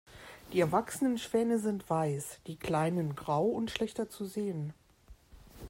Die erwachsenen Schwäne sind weiß, die kleinen grau und schlechter zu sehen.